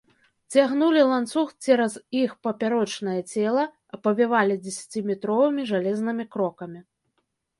Цягнулі ланцуг цераз іх папярочнае цела, апавівалі дзесяціметровымі жалезнымі крокамі.